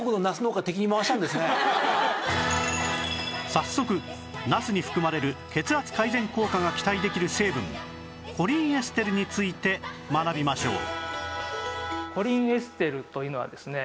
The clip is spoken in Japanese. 早速ナスに含まれる血圧改善効果が期待できる成分コリンエステルについて学びましょう